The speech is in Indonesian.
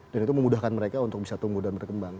dan itu memudahkan mereka untuk bisa tunggu dan berkembang